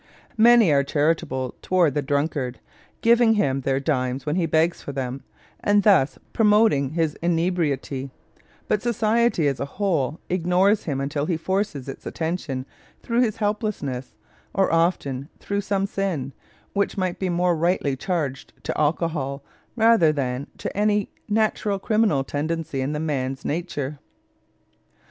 Many are charitable toward the drunkard, giving him their dimes when he begs for them, and thus promoting his inebriety; but society as a whole ignores him until he forces its attention through his helplessness or often through some sin, which might be more rightly charged to alcohol rather than to any natural criminal tendency in the man's nature.